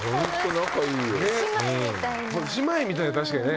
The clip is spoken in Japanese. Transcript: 姉妹みたい確かにね。